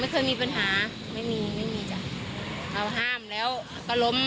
ปัญหาไม่ค่อยมีปัญหาไม่มีไม่มีจ้ะเราห้ามแล้วก็ล้ม